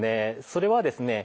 それはですね